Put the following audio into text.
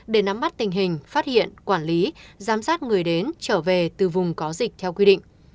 để nắm mắt tình hình phát hiện quản lý giám sát người đến trở về từ vùng có dịch theo quy định